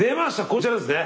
こちらですね。